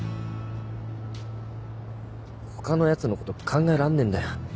他のやつのこと考えらんねえんだよ。